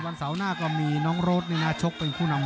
พี่ป่าเดี๋ยวเราจะลากันแล้ว